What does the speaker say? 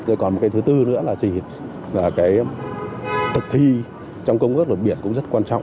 rồi còn thứ tư nữa là gì là thực thi trong công ước luật biển cũng rất quan trọng